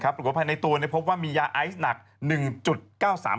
ปรุงพิพัฒน์ในตัวพบว่ามียาไอซ์หนัก๑๙๓กรัม